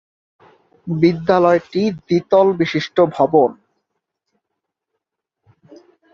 বিদ্যালয়টি দ্বিতল বিশিষ্ট ভবন।